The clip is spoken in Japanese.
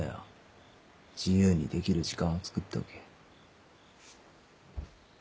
自由にできる時間をつくっておけ。